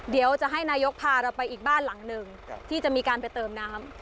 เดี๋ยวจะให้นายกพาเราไปอีกบ้านหลังหนึ่งที่จะมีการไปเติมน้ำ